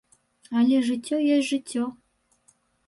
Але жыццё ёсць жыццё.